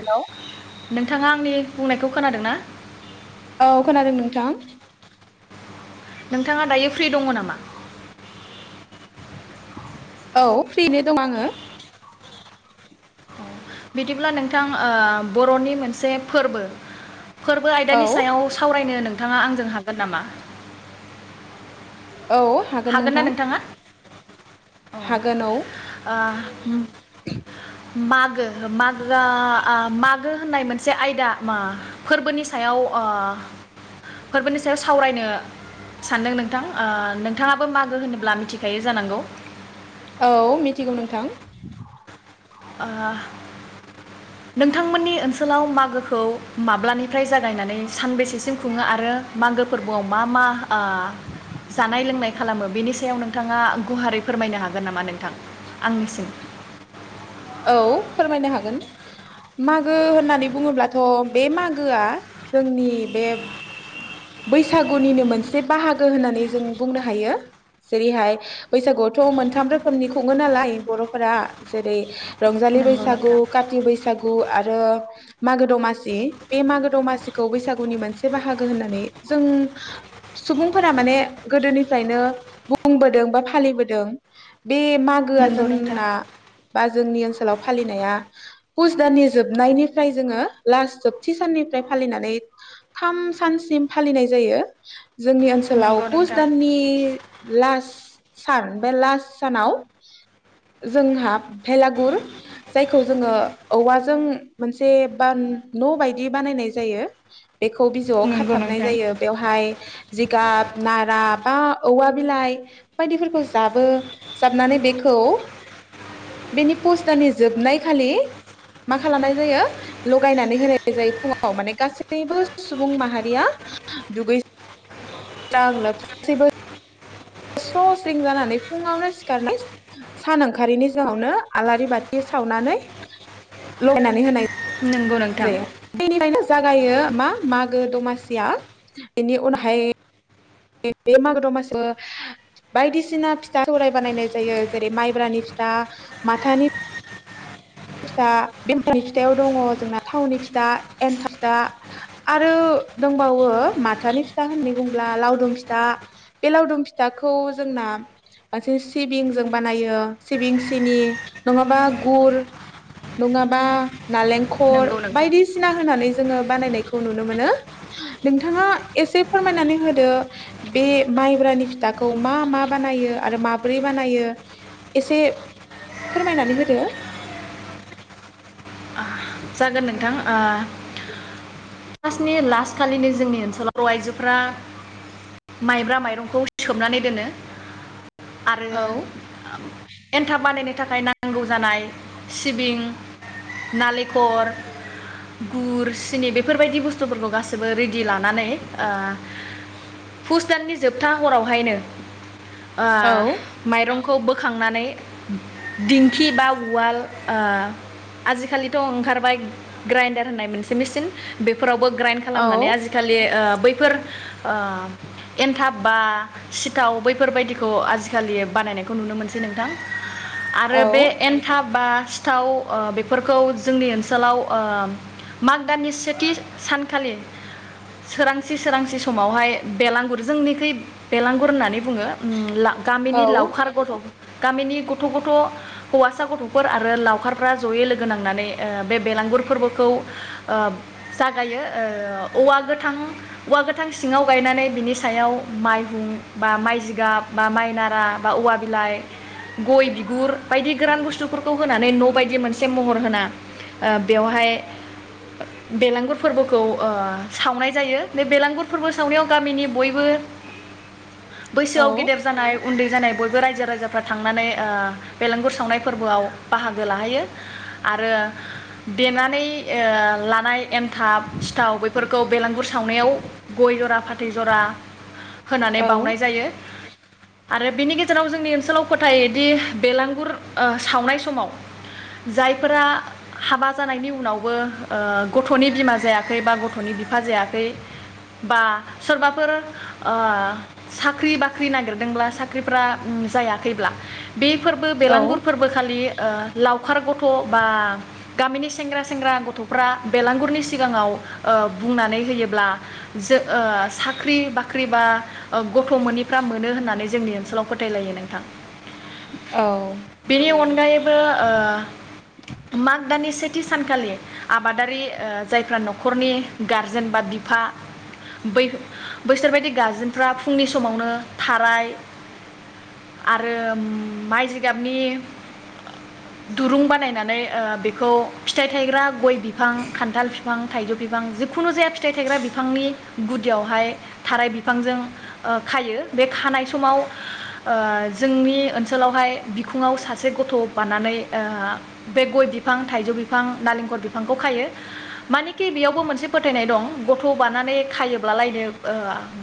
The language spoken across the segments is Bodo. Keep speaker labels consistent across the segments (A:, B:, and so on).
A: हेलौ
B: नोंथाङा आंनि बुंनायखौ खोनादों ना?
A: औ खोनादों नोंथां।
B: नोंथाङा दायो फ्रि दङ नामा?
A: औ फ्रिनो दं आङो।
B: बिदिब्ला नोंथां ओ बर'नि मोनसे फोरबो फोरबो
A: औ
B: आयदानि सायाव सावरायनो नों नोंथाङा आंजों हागोन नामा?
A: औ हागोन नोंथां। हागोन औ
B: मा मागो मागोआ मागो होननाय मोनसे आयदा मा फोरबोनि सायाव अ फोरबोनि सायाव सावरायनो सानदों आं नोंथां नोंथाङाबो मागो होनोब्ला मिथिखायो जानांगौ
A: औ मिथिगौ नोंथां।
B: ओ नोंथांमोननि ओनसोलाव मागोखौ माब्लानिफ्राय जागायनानै सानबेसेसिम खुङो आरो मागो फोरबोआव मा मा ओ जानाय लोंनाय खालामो बेनि सायाव नोंथाङा गुहारै फोरमायनो हागोन नामा नोंथां? आंनिसिम
A: औ फोरमायनो हागोन मागो होननानै बुङोब्लाथ' बे मागोआ जोंनि बे बैसागुनिनो मोनसे बाहागो होननानै जों बुंनो हायो जेरैहाय बैसागुआवथ' मोनथाम रोखोमनि खुङो नालाय। बर'फोरा जेरै रंजालि
B: नंगौ
A: बैसागु
B: नोंथां
A: काथि बैसागु आरो आरो मागो दमासि बे मागो दमासिखौ बैसागुनि मोनसे बाहागो होननानै जों सुबुंफोरा माने गोदोनिफ्रायनो बुंबोदों बा फालिबोदों बे मागोआ
B: नंगौ नोंथां
A: जोंना बा जोंनि ओनसोलाव फालिनाया पुस दाननि जोबनायनिफ्राय जोङो लास्ट जोबथि साननिफ्राय फालिनानै थाम सानसिम फालिनाय जायो। जोंनि ओनसोलाव
B: नंगौ
A: पुस
B: नोंथां
A: दाननि लास्ट सान बे लास्ट सानाव जोंहा भेलागुर जायखौ जोङो औवाजों मोनसे बान न' बायदि बानायनाय जायो। बेखौ बिजौआव
B: नंगौ
A: खाथाबनाय
B: नोंथां
A: जायो बेवहाय जिगाब नारा बा औवा बिलाइ बायदिफोरखौ जाबो जाबनानै बेखौ बेनि पुस दाननि जोबनाय खालि मा खालामनाय जायो लगायनानै होनाय जायो फुङाव माने गासैबो सुबुं माहारिया दुगैस्रां लोबस्रां गासैबो स्र' स्रिं जानानै फुङावनो सिखारनाय सान ओंखारारिनि जावनो आलारि बाथि सावनानै लगायनानै
B: नंगौ नोंथां
A: होनाय [unintelligible] जागायो मा मागो दमासिया बेनि उनावहाय बे मागो दमासियाव बायदिसिना फिथा सौराय बानायनाय जायो जेरै माइब्रानि फिथा माथानि फिथा बेममानि फिथायाव दङ जोंना थावनि फिथा एन्थाब फिथा आरो दंबावो माथानि फिथा होननानै बुङोब्ला लावदुम फिथा बे लावदुम फिथाखौ जोंना मोनसे सिबिंजों बानायो सिबिं सिनि नङाबा गुर। नङाबा नालेंखर
B: नंगौ नोंथां
A: बायदिसिना होनानै जोङो बानायनायखौ नुनो मोनो नोंथाङा एसे फोरमायनानै होदो बे माइब्रानि फिथाखौ मा मा बानायो आरो माब्रै बानायो एसे फोरमायनानै होदो।
B: जागोन नोंथां ओ पुस मासनि लास खालिनि जोंनि ओनसोलाव आइजोफोरा माइब्रा माइरंखौ सोबनानै दोनो आरो
A: औ
B: एन्थाब बानायनो थाखाय नांगौ जानाय सिबिं नालेंख खर गुर सिनि बेफोरबायदि बुस्थुफोरखौ गासिबो रेडि लानानै ओ फुस दाननि जोबथा हरावहायनो ओ
A: औ
B: माइरं खौ बोखांनानै नानै दिंखि बा उवाल ओ आलिखालि थ' ओंखारबाय ग्रेन्डार होननाय मोनसे मेचिन। फोरावबो ग्राइन्ड
A: औ
B: खालामनानै आजिखालि ओ बैफोर ओ एन्थाब बा सिथाव बैफोरबायदिखौ आजिखालि बानायनायखौ नुनो मोनसै नोंथां। आरो बे एन्थाब बा सिथाव ओ बेफोरखौ जोंनि ओनसोलाव ओ माग दाननि सेथि सानखालि सोरांसि सोरांसि समावहाय बेलांगुर जोंनिखै बेलांगुर होननानै बुङो उम ला गामिनि
A: औ
B: लावखार गथ' गामिनि गथ' गथ' हौवासा गथ'फोर आरो लावखारफ्रा जयै लोगो नांनानै ओ बे बेलांगुर फोरबोखौ ओ जागायो ओ औवा गोथां औवा गोथां सिङाव गायनानै बिनि सायाव मायहुं बा माइ जिगाब बा माइ नारा बा औवा बिलाइ गय बिगुर बायदि गोरान बुस्थुफोरखौ होनानै न' बायदि मोनसे महर होना ओ बेवहाय बेलांगुर फोरबोखौ ओ सावनाय जायो। बे बेलांगुर फोरबो सावनायाव गामिनि बयबो बैसोआव गेदेर जानाय उन्दै जानाय बयबो रायजो राजाफ्रा थांनानै ओ बेलांगुर सावनाय फोरबोआव बाहागो लाहैयो आरो देनानै ओ लानाय एन्थाब सिथाव बैफोरखौ बेलांगुर सावनायाव गय जरा फाथै जरा होनानै
A: औ
B: बावनाय जायो। आरो बेनि गेजेराव जोंनि ओनसोलाव फोथायोदि बेलांगुर ओ सावनाय समाव जायफोरा हाबा जानायनि उनावबो ओ गथ'नि बिमा जायाखै बा गथ'नि बिफा जायाखै बा सोरबाफोर ओ साख्रि बाख्रि नागिरदोंब्ला साख्रिफ्रा उम जायाखैब्ला बे फोरबो
A: औ
B: बेलांगुर फोरबो खालि ओ लावखार गथ' बा गामिनि सेंग्रा सेंग्रा गथ'फ्रा बेलांगुरनि सिगाङाव ओ बुंनानै होयोब्ला जो ओ साख्रि बाख्रि बा ओ गथ' मोनिफ्रा मोनो होननानै जोंनि ओनसोलाव फोथायलायो नोंथां। बेनि अनगायैबो ओ आग दानि सेथि सानखालि आबादारि ओ जायफ्रा न'खरनि गारजेन बा बिफा बै बैसोरबायदि गाजेनफ्रा फुंनि समावनो थाराय आरो माइ जिगाबनि दुरुं बानायनानै ओ बेखौ फिथाइ थायग्रा गय बिफां खान्थाल बिफां थाइजौ बिफां जिखुनु जाया फिथाइ थायग्रा बिफांनि गुदियावहाय थाराय बिफांजों ओ खायो। बे खानाय समाव ओ जोंनि ओनसोलावहाय बिखुङाव सासे गथ' बानानै ओ बे गय बिफां थाइजौ बिफां नालेंखर बिफांखौ खायो। मानिकि बेयावबो मोनसे फोथायनाय दं। गथ' बानानै खायोब्लालायनो ओ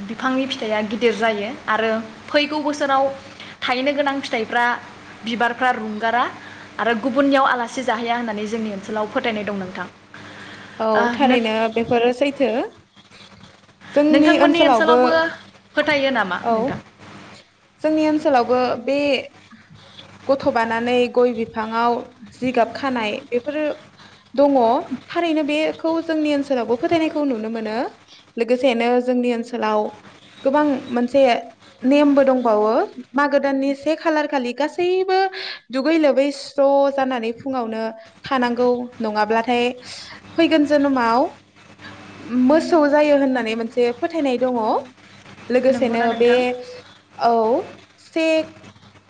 B: बिफांनि फिथाइया गिदिर जायो आरो फैगौ बोसोराव थायनो गोनां फिथाइफ्रा बिबारफ्रा रुंगारा आरो गुबुननियाव आल लासि जाहैया होननानै जोंनि ओनसोलाव फोथायनाय दं नोंथां।
A: औ
B: ओ नों
A: थारैनो बेफोरो सैथो।
B: नोंथांमोननि ओनसोलावबो फोथायो नामा
A: औ
B: नोंथां?
A: जोंनि ओनसोलावबो बे गथ' बानानै गय बिफाङाव जिगाब खानाय बेफोरो दङ। थारैनो बेखौ जोंनि ओनसोलावबो फोथायनायखौ नुनो मोनो, लोगोसेनो जोंनि ओनसोलाव गोबां मोनसे नेमबो दं बावो मागो दाननि से खालार खालि गासैबो दुगै लोबै स्र' जानानै फुङावनो थानांगौ नङाब्लाथाय फैगोन जोनोमाव उम मोसौ जायो होननानै मोनसे फोथायनाय दङ। लोगोसेनो
B: नंगौना
A: बे
B: नोंथां [inaudible]
A: औ से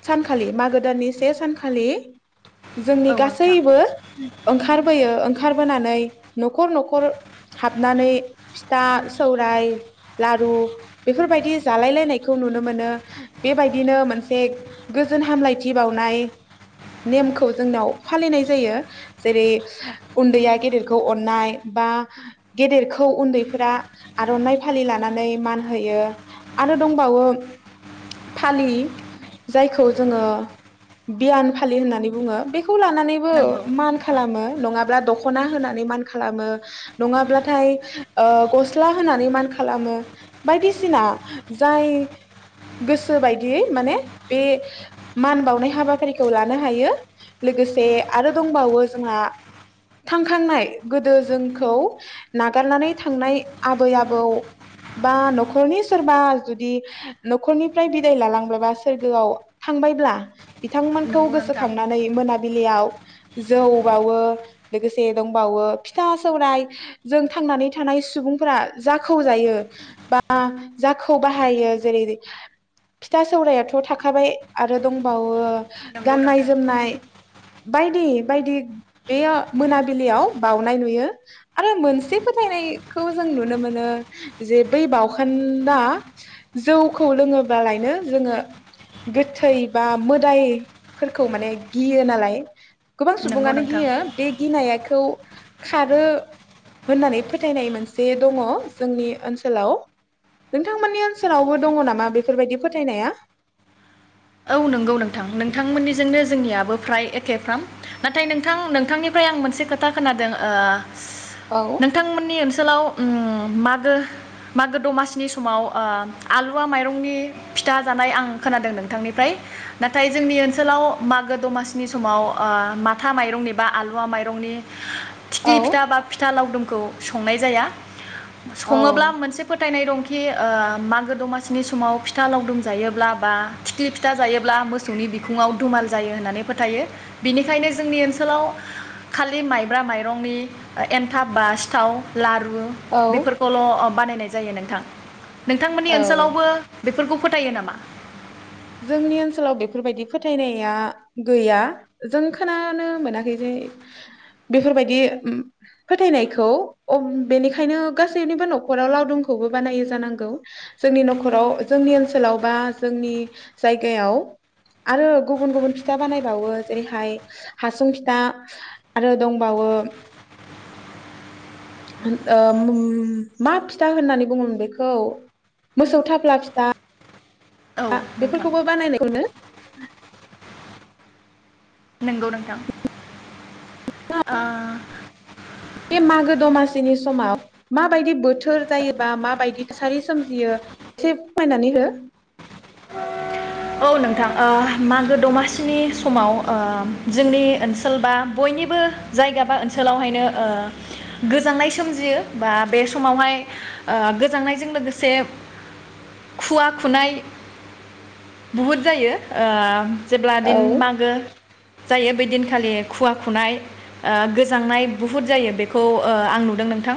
A: सानखालि मागो दाननि से सानखालि जोंनि
B: औ नोंथां
A: गासैबो ओंखारबोयो ओंखारबोनानै न'खर न'खर हाबनानै फिथा सौराय लारु बेफोरबायदि जालाय लायनायखौ नुनो मोनो बेबायदिनो मोनसे गोजोन हामलायथि बावनाय नेमखौ जोंनाव फालिनाय जायो। जेरै उन्दैया गेदेरखौ अननाय बा गेदेरखौ उन्दैफोरा आर'नाइ फालि लानानै मान होयो आरो दंबावो। फालि जायखौ जोङो बियान फालि होननानै बुङो। बे खौ लानानैबो
B: नंगौ
A: मान
B: नोंथां
A: खालामो नङा ब्ला दख'ना होनानै मान खालामो नङाब्लाथाय ओ गस्ला होनानै मान खालामो बायदिसिना जाय गोसो बायदि माने बे मान बावनाय हाबाफारिखौ लानो हायो। लोगोसे आरो दंबावो जोंहा थांखांनाय गोदो जोंखौ नागारनानै थांनाय आबै आबौ बा न'खरनि सोरबा जुदि न'खरनिफ्राय बिदाय लालांबायबा सोरगोआव थांबायब्ला बिथांमोनखौ
B: नंगौ नोंथां
A: गोसोखांनानै मोना मोनाबिलियाव जौ बावो लोगोसे दंबावो फिथा सौराय जों थांनानै थानाय सुबुंफोरा जाखौ जायो बा जाखौ बाहायो जेरै फिथा सौरायाथ' थाखाबाय आरो दंबावो
B: नंगौ
A: गाननाय
B: नोंथां
A: जोमनाय बायदि बायदि बेयाव मोनाबिलियाव बाउनाय नुयो आरो मोनसे फोथायनायखौ जों नुनो मोनो जे बै बावखोन्दा जौ खौ लोङोब्लालायनो जोङो गोथै बा मोदायफोरखौ माने गियो नालाय। गोबां
B: नंगौ
A: सुबुङानो
B: नोंथां
A: गियो बे गिनाया खौ खारो होननानै फोथायनाय मोनसे दङ जोंनि ओनसोलाव नोंथांमोननि ओनसोलावबो दङ नामा बेफोरबायदि फोथायनाया?
B: औ नंगौ नोंथां नोंथांमोननिजोंनो जोंनियाबो फ्राय एखेफ्राम नाथाय नोंथां नों नोंथांनिफ्राय आं मोनसे खोथा खोनादों ओ
A: औ
B: नोंथांमोननि ओनसोलाव मागो मागो दमासिनि समाव ओ आलुवा माइरंनि फिथा जानाय आं खोनादों नोंथांनि फ्राय नाथाय जोंनि ओनसोलाव मागो दमासिनि समाव ओ माथा माइरंनि बा आलुवा माइरंनि
A: औ
B: थिख्लि फिथा बा फिथा लावदुम खौ संनाय जाया।
A: औ
B: सङोब्ला मोनसे फोथायनाय दं खि ओ मागो दमासिनि समाव फिथा लावदुमजायोब्ला बा थिलि फिथा जायोब्ला मोसौनि बिखुङाव दुमाल जायो होननानै फोथायो बिनिखायनो जोंनि ओनसोलाव खालि माइब्रा माइरंनि एनथाब बा सिथाव लारु
A: औ
B: बेफोरखौल' बानायनाय जायो नोंथां। नोंथांमोननि
A: औ
B: ओनसोलावबो बेफोरखौ फोथायो नामा?
A: जोंनि ओनसोलाव बेफोरबायदि फोथायनाया गैया जों खोनानो मोनाखै जे बेफोरबायदि फोथायनायखौ बेनिखायनो गासैनिबो न'खराव लावदुमखौबो बानायो जानांगौ जोंनि न'खराव जोंनि ओनसोलाव बा जोंनि जायगायाव आरो गुबुन गुबुन फिथा बानायबावो जेरैहाय हासुं फिथा आरो दंबावो मा फिथा होननानै बुङोमोन बेखौ मोसौ थफ्ला फिथा।
B: औ
A: हा
B: नोंथां
A: बेफोरखौबो बानायनायखौनो [inaudible]
B: नंगौ नोंथां। ओ।
A: बे मागो दमासिनि समाव माबायदि बोथोर जायोबा माबायदि सारि सोमजियो एसे खमायनानै हो।
B: औ नोंथां ओ मागो दमासिनि समाव ओ जोंनि ओनसोल बा बयनिबो जायगा बा ओनसोलावहायनो ओ गोजांनाय सोमजियो बा बे समावहाय ओ गोजांनायजों लोगोसे खुवा खुनाय बहुद जायो ओ जेब्ला
A: औ
B: दिन मागो जायो बैदिनखालि खुवा खुनाय ओ गोजांनाय बुहुद जायो ओ बेखौ आं नुदों नोंथां।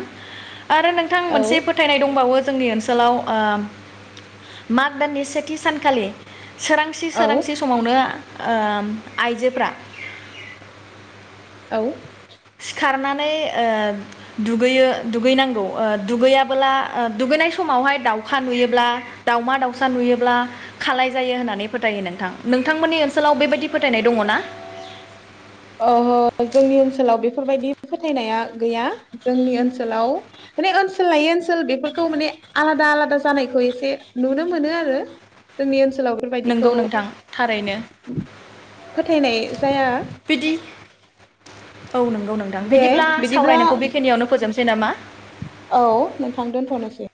B: आरो नोंथां
A: औ
B: मोनसे फोथायनाय दंबावो। जोंनि ओनसोलाव माग दाननि सेथि सानखालि सोरांसि सोरांसि समावनो आइजोफोरा
A: औ
B: सिखारनानै दुगैयो दुगैनांगौ दुगैयाबोला दुगैनाय समावहाय दाउखा नुयोब्ला दाावमा दाउसा नुयोब्ला खालाय जायो होननानै फोथायो नोंथां नोंथां
A: अ जोंनि ओनसोलाव बेफोरबायदि फोथायनाया गैया जोंनि ओनसोलाव माने ओनसोल लायै ओनसोल बेफोरखौ माने आलादा आलादा जानायखौ एसे नुनो मोनो आरो जोंनि ओनसोल ओनसोलाव बेबायदिखौ
B: नोंगौ नोंथां थारैनो
A: फोथायनाय जाया
B: बिदि औ नोंगौ नोंथां
A: दे
B: बिदिब्ला
A: बिदिब्ला
B: सावरायनायखौ बेखिनियावनो फोजोब सै नामा?
A: औ नोंथां दोनथ'नोसै